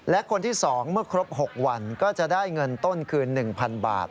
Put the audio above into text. และคนที่๒เมื่อครบ๖วันก็จะได้เงินต้นคืน๑๐๐๐บาท